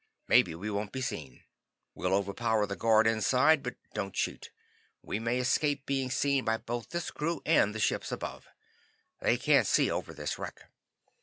Maybe we won't be seen. We'll overpower the guard inside, but don't shoot. We may escape being seen by both this crew and ships above. They can't see over this wreck."